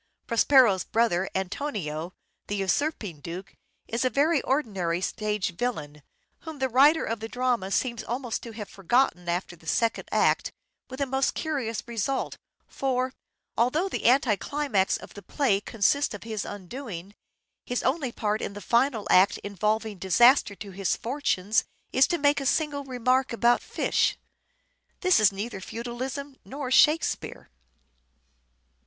Prospero's brother, Antonio, the usurping duke, is a very ordinary stage villain, whom the writer of the drama seems 'THE TEMPEST' 519 almost to have forgotten after the second act, with a most curious result ; for, although the anti climax of the play consists in his undoing, his only part in the final act involving disaster to his fortunes, is to make a single remark — about fish. This is neither feudalism nor " Shakespeare."